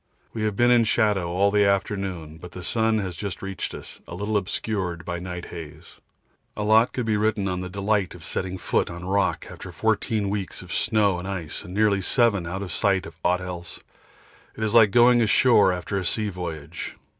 We have been in shadow all the afternoon, but the sun has just reached us, a little obscured by night haze. A lot could be written on the delight of setting foot on rock after 14 weeks of snow and ice and nearly 7 out of sight of aught else. It is like going ashore after a sea voyage.